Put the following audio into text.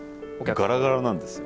ガラガラなんですよ